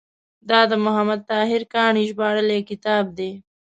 دا د محمد طاهر کاڼي ژباړلی کتاب دی.